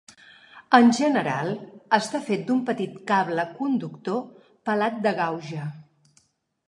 En general, està fet d'un petit cable conductor pelat de gauge.